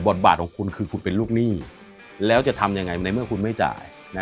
บาทของคุณคือคุณเป็นลูกหนี้แล้วจะทำยังไงในเมื่อคุณไม่จ่าย